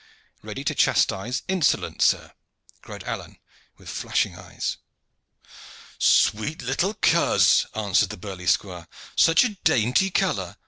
"Ready to chastise insolence, sir," cried Alleyne with flashing eyes. "Sweet little coz!" answered the burly squire. "Such a dainty color!